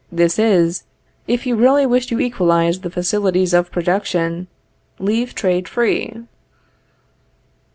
This is: If you really wish to equalize the facilities of production, leave trade free.